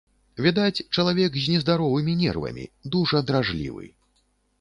Відаць, чалавек з нездаровымі нервамі, дужа дражлівы.